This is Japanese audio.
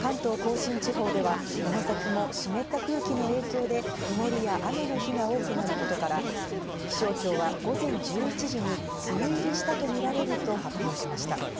関東甲信地方ではこの先も湿った空気の影響で曇りや雨の日が多くなることから、気象庁は午前１１時に梅雨入りしたとみられると発表しました。